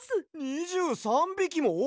２３びきも！？